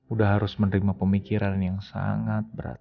udah harus menerima pemikiran yang sangat berat